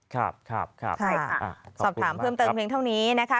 ครับครับสอบถามเพิ่มเติมเพียงเท่านี้นะคะ